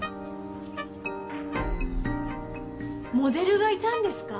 モデルがいたんですか？